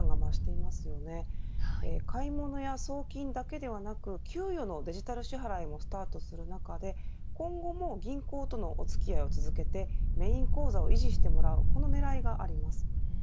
お買い物や送金だけではなく給与のデジタル支払いもスタートする中で今後も銀行とのお付き合いを続けてメイン口座を維持してもらう狙いがあります。